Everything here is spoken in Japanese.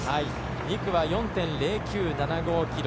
２区は４．０９７５ｋｍ。